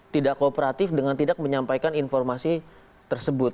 tidak kooperatif dengan tidak menyampaikan informasi tersebut